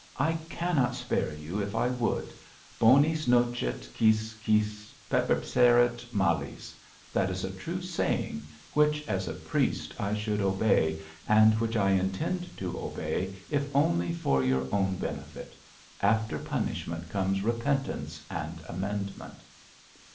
I cannot spare you if I would. Bonis nocet quis quis pepercerit malis; that is a true saying which, as a priest, I should obey, and which I intend to obey if only for your own benefit. After punishment comes repentance and amendment.'